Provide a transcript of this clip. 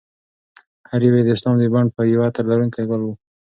هر یو یې د اسلام د بڼ یو عطر لرونکی ګل و.